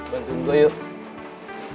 bantu gue yuk